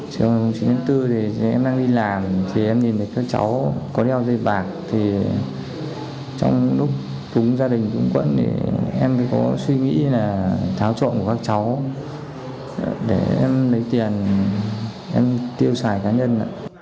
chiều chín tháng bốn em đang đi làm em nhìn thấy các cháu có đeo dây bạc trong lúc cúng gia đình cúng quận em có suy nghĩ là tháo trộn của các cháu để em lấy tiền em tiêu xài cá nhân